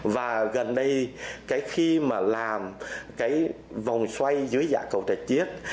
và gần đây cái khi mà làm cái vòng xoay dưới dạ cầu trạch chiếc